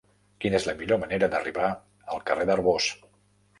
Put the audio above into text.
Quina és la millor manera d'arribar al carrer d'Arbós?